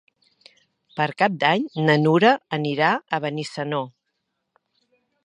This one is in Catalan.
Per Cap d'Any na Nura anirà a Benissanó.